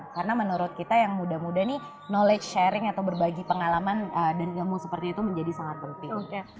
karena menurut kita yang muda muda nih knowledge sharing atau berbagi pengalaman dan ilmu seperti itu menjadi sangat penting